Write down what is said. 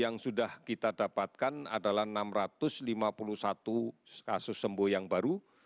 yang sudah kita dapatkan adalah enam ratus lima puluh satu kasus sembuh yang baru